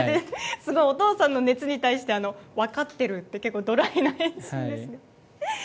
お父さんの熱に対してわかってるって結構ドライな返信ですね。